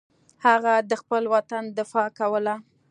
هغه د خپل وطن دفاع کوله.